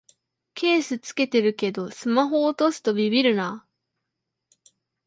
ケース付けてるけどスマホ落とすとビビるな